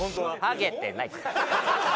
ハゲてないって！